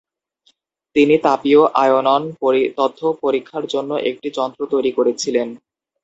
তিনি তাপীয় আয়নন তথ্য পরীক্ষার জন্য একটি যন্ত্র তৈরি করেছিলেন।